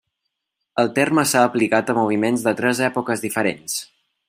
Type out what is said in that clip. El terme s'ha aplicat a moviments de tres èpoques diferents.